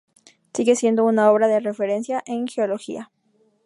Sigue siendo una obra de referencia en geología.